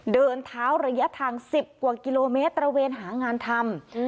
เดินเท้าระยะทาง๑๐กว่ากิโลเมตรตระเวนหางานทำ